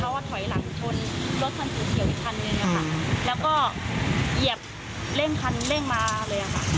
ว่าถอยหลังชนรถคันสีเขียวอีกคันนึงอะค่ะแล้วก็เหยียบเร่งคันเร่งมาเลยค่ะ